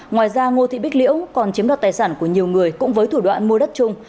ngoài ra ngô thị bích liễu còn chiếm đoạt tài sản của nhiều người cũng với thủ đoạn mua đất chung